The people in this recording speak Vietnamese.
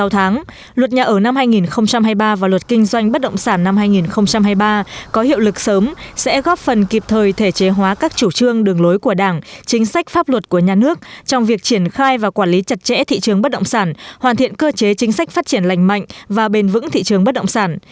trong việc triển khai và quản lý chặt chẽ thị trường bất động sản hoàn thiện cơ chế chính sách phát triển lành mạnh và bền vững thị trường bất động sản